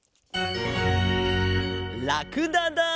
ラクダだ！